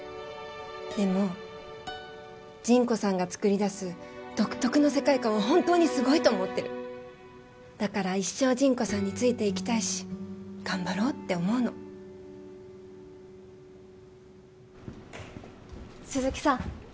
でもジンコさんがつくりだす独特の世界観は本当にすごいと思ってるだから一生ジンコさんについていきたいし頑張ろうって思うの鈴木さん